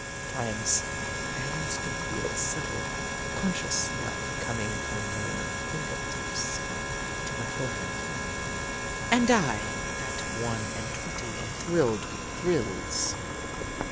Times I almost can feel a subtle, conscious love coming from her finger tips to my forehead. And I, at one and twenty, am thrilled with thrills.